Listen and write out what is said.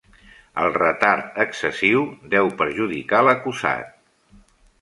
El retard excessiu deu perjudicar l'acusat.